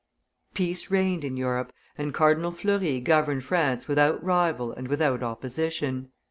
Peace reigned in Europe, and Cardinal Fleury governed France without rival and without opposition.